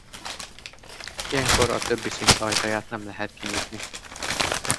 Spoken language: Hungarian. Ilyenkor a többi szint ajtaját nem lehet kinyitni.